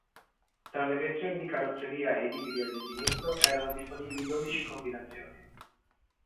Tra le versioni di carrozzeria e i tipi di allestimento erano disponibili dodici combinazioni.